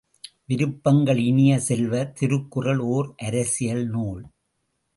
விருப்பங்கள் இனிய செல்வ, திருக்குறள் ஓர் அரசியல் நூல்.